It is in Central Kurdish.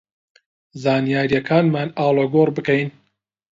زانیارییەکانمان ئاڵوگۆڕ بکەین